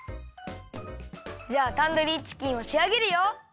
じゃあタンドリーチキンをしあげるよ！